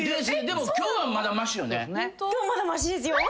でも今日はまだマシよね？